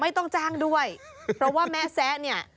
ไม่ต้องจ้างด้วยเพราะว่าแม่แซะเนี่ย